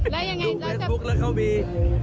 ดูเฟซบุ๊กแล้วเค้ามี